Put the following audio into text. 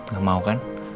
gak mau kan